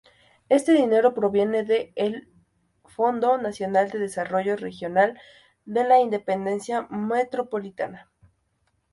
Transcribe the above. Este dinero proviene de el Fondo Nacional de Desarrollo Regional de la Intendencia Metropolitana.